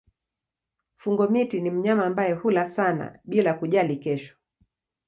Fungo-miti ni mnyama ambaye hula sana bila kujali kesho.